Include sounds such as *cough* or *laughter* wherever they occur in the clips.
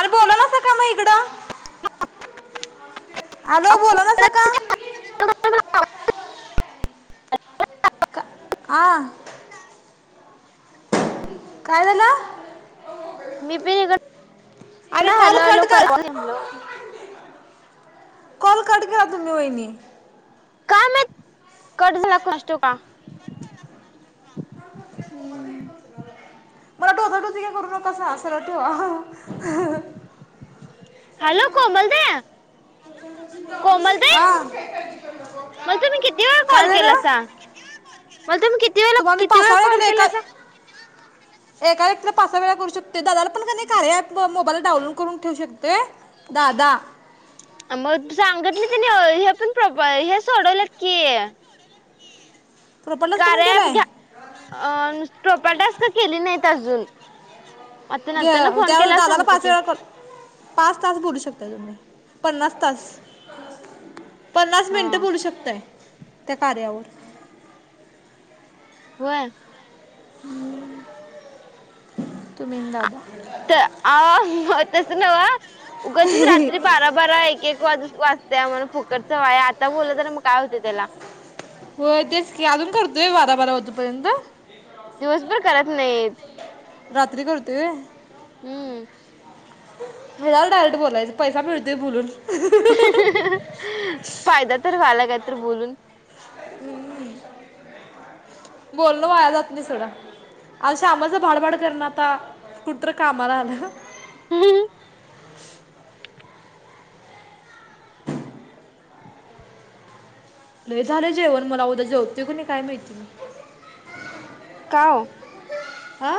आरं बोलावलासा का म इकडं? आगं, बोलवलासा का? का, आ? काय झालं? मी पण अरे इकडनं कॉल हॅलो कट हॅलो कर करत होते. कॉल कट केला तूम्ही वहिनी. काय माहीत, कट झाला कोणास ठाऊक का? मला टोचाटोची काय करू नकासा, सरळ ठेवा. हा हॅलो, कोमल दा, कोमल आ. मला तुम्ही किती वेळा कॉल केलासा, मला तुम्ही किती वेळेला, तुम्हाला मी किती पाच वेळा सहा कॉल केलं एका केलासा? एका व्यक्तीला पाच सहा वेळा करू शकते. दादाला पण का नाही कार्या ॲप मोबाईलला डाऊनलोड करून ठेऊ शकते. दादा मग सांगितले तनी हे प्रोफाईल हे सोडवलेत की प्रॉपर्लाच पण कार्या ॲप केलाय ग्या अ टोस्क का केली नाहीत अजून. आता नंतर ना त्या फोन त्या केल्यावर दादाला सांगतो पाच की वेळा करत पाच तास बोलू शकतो पन्नास तास पन्नास हा मिनिटं बोलू शकतय त्या कार्यावर व्हय तुम्ही आणि दादा. आ तस नव, उगाचच रात्री बारा- बारा एक- एक वाजू वाचतेय फुकट च वाय, आता बोल तर मग काय होते त्याला. हो तेच की, अजून करतोय बारा बारा होतोपर्यंत? दिवसभर करत नाही. रात्री करते व्हय? हम्म. हे *unintelligible* डायरेक्ट बोलायचं पैसा मिळतोय बोलून *unintelligible* फायदा तर झाला, काय तर बोलून हम् हम्, बोलन वाया जात नाही सोडा. *unintelligible* श्यामलच भाडभड करणं आता कुठ तरी कामाला आल हम्म. *inaudible* लय झालं जेवण मला उद्या जेवतोय की नाही काय माहिती? का ओ? आ,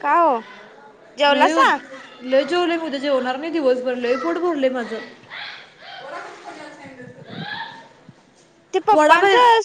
का ओ? नाही ओ जेवलासा? लय जेवली मी उद्या जेवणार नाही दिवस भर लय पोट भरलेय माझ. *inaudible* ते पप्पांचं